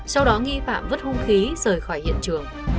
sau đó nghi phạm vứt hung khí rời khỏi hiện trường